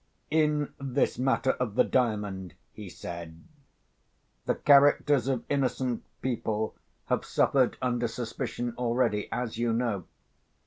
"In this matter of the Diamond," he said, "the characters of innocent people have suffered under suspicion already—as you know.